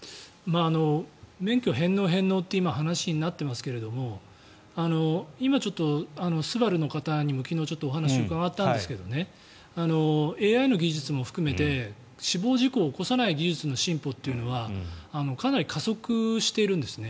免許返納、返納って話に今、なっていますけど今ちょっとスバルの方にも昨日お話を伺ったんですがＡＩの技術も含めて死亡事故を起こさない技術の進歩はかなり加速しているんですね。